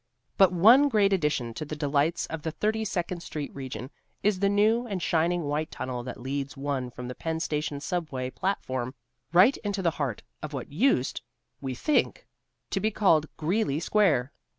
But one great addition to the delights of the Thirty second Street region is the new and shining white tunnel that leads one from the Penn Station subway platform right into the heart of what used (we think) to be called Greeley Square.